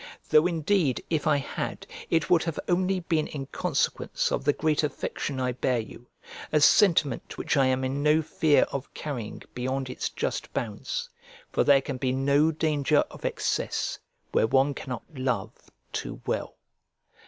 Though indeed, if I had, it would have only been in consequence of the great affection I bear you: a sentiment which I am in no fear of carrying beyond its just bounds: for there can be no danger of excess where one cannot love too well.